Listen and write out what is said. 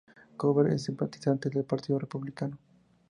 Covert es simpatizante al Partido Republicano.